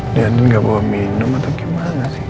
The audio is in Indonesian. dia nunggu minum atau gimana sih